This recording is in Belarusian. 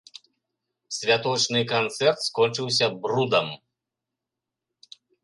Святочны канцэрт скончыўся брудам.